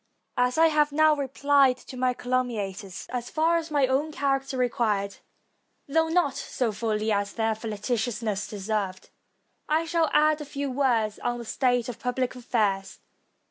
As I have now repHed to my caltmmiators, as far as my own character required, though not so fully as their flagitiousness deserved, I shall add a few words on the state of pubhc affairs.